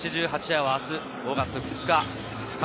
夜は明日５月２日。